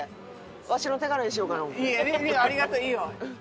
いやありがとういいよ。